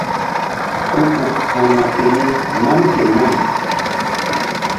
Ku uk ha̧rma keni nam ke nam.